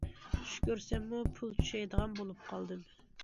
چۈش كۆرسەممۇ پۇل چۈشەيدىغان بولۇپ قالدىم.